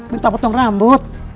minta potong rambut